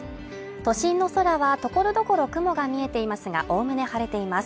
都心の空は所々雲が見えていますが、おおむね晴れています。